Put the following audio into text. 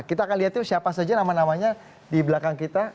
kita akan lihat yuk siapa saja nama namanya di belakang kita